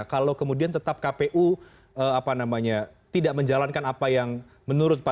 kalau kemudian tetap kpu tidak menjalankan apa yang menurutnya